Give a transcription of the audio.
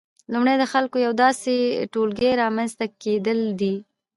لومړی د خلکو د یو داسې ټولګي رامنځته کېدل دي